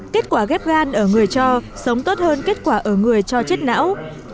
kết quả ghép gan ở người cho sống tốt hơn kết quả ở người cho chết não